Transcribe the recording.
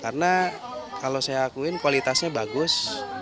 karena kalau saya akuin kualitasnya bagus